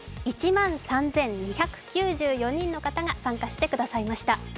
１万３２９４人の方が参加してくださいました。